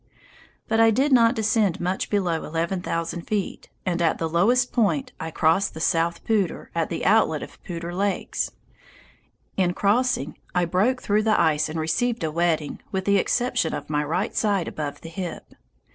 But I did not descend much below eleven thousand feet, and at the lowest point I crossed the South Poudre, at the outlet of Poudre Lakes. In crossing I broke through the ice and received a wetting, with the exception of my right side above the hip.